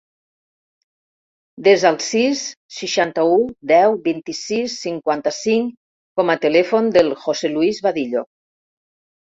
Desa el sis, seixanta-u, deu, vint-i-sis, cinquanta-cinc com a telèfon del José luis Vadillo.